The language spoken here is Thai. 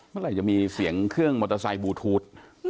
เมื่อไหร่จะมีเสียงเครื่องมอเตอร์ไซค์บลูทูธ